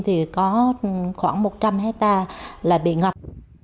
thì có khoảng một trăm linh hectare là bị ngập